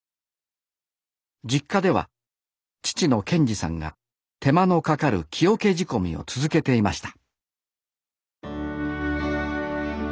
実家では父の健司さんが手間のかかる木桶仕込みを続けていました